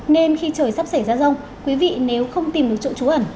nên khi trời sắp xảy ra rông quý vị nếu không tìm được chỗ trú ẩn